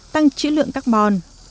tăng chữ lượng các bòn